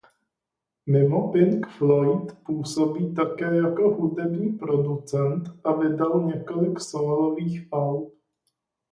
Mimo Pink Floyd působí také jako hudební producent a vydal několik sólových alb.